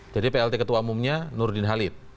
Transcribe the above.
jadi plt ketua umumnya nurdin halid